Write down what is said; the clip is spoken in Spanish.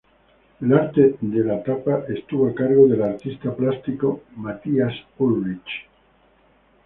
El arte de tapa estuvo a cargo del artista plástico Matías Ulrich.